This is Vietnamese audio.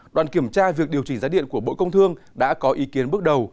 đoàn kiểm tra việc điều chỉnh giá điện của bộ công thương đã có ý kiến bước đầu